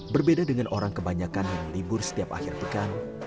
berbeda dengan orang kebanyakan yang libur setiap akhir pekan